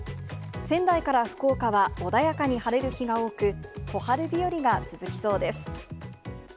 仙台から福岡は穏やかに晴れる日が多く、小春日和が続きそうです。